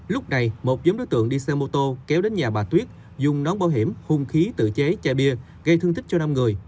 lúc này một nhóm đối tượng đi xe mô tô kéo đến nhà bà tuyết dùng nón bảo hiểm hung khí tự chế chai bia gây thương tích cho năm người